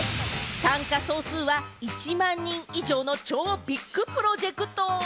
参加総数は１万人以上の超ビッグプロジェクト。